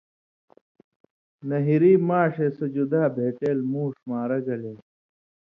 نہیۡری ماݜے سو جُدا بھېٹېل مُوݜ مارہ گَلے